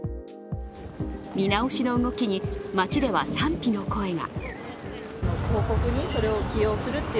見直しの動きに、街では賛否の声が。